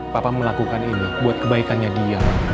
papa melakukan ini buat kebaikannya dia